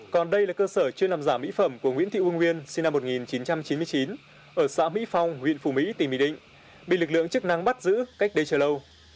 còn đây là cơ sở chưa làm giả mỹ phẩm của nguyễn thị u nguyên sinh năm một nghìn chín trăm chín mươi chín ở xã mỹ phong huyện phủ mỹ tỉnh bình định bị lực lượng chức năng bắt giữ cách đây chưa lâu